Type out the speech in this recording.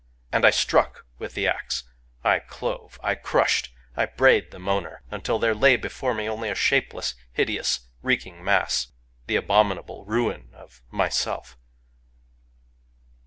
And I struck with the axe ;— I clove, I crushed, I brayed the Moaner, — until there lay before me only a shape less, hideous, reeking mass, — the abominable ruin of Myself.